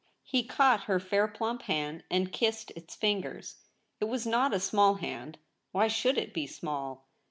He caught her fair plump hand and kissed its fingers. It was not a small hand — why should it be small